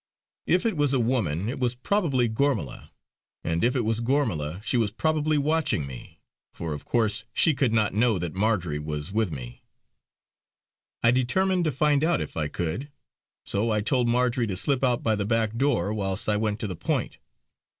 If it was a woman it was probably Gormala; and if it was Gormala she was probably watching me, for of course she could not know that Marjory was with me. I determined to find out if I could; so I told Marjory to slip out by the back door whilst I went to the point.